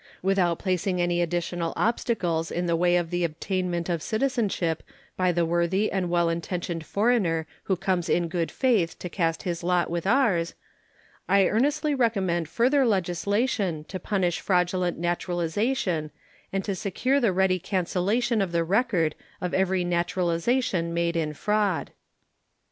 Without placing any additional obstacles in the way of the obtainment of citizenship by the worthy and well intentioned foreigner who comes in good faith to cast his lot with ours, I earnestly recommend further legislation to punish fraudulent naturalization and to secure the ready cancellation of the record of every naturalization made in fraud.